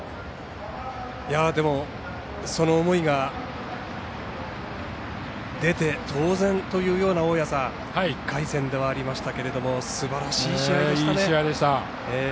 でも、その思いが出て当然というような大矢さん、１回戦でしたけれどもすばらしい試合でしたね。